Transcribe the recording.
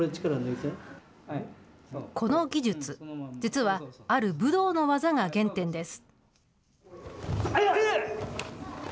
この技術、実は、ある武道の技が原点です。